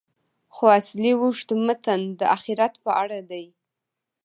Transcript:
خو اصلي اوږد متن د آخرت په اړه دی.